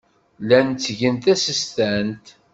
Llan ttgen tasestant.